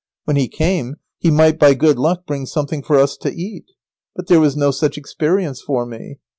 When he came he might by good luck bring something for us to eat. But there was no such experience for me.